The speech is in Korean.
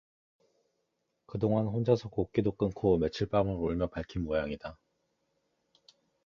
그 동안 혼자서 곡기도 끊고 며칠 밤을 울며 밝힌 모양이다.